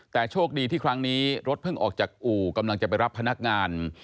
แต่โชคดีที่ครั้งนี้รถเพิ่งออกจากอู่กำลังจะไปรับพนักงาน